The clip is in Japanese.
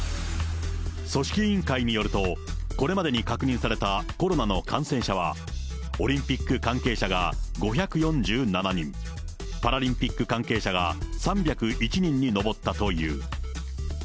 組織委員会によると、これまでに確認されたコロナの感染者は、オリンピック関係者が５４７人、パラリンピック関係者が３０１人に上ったという。